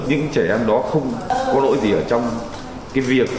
những trẻ em đó không có lỗi gì ở trong cái việc